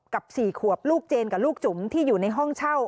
๔ขวบลูกเจนกับลูกจุ๋มที่อยู่ในห้องเช่า